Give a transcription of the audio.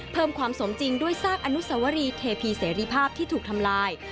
เพิ่มความสมจริงด้วยซากอนุสวรีเทพีเสรีภาพที่ถูกทำลาย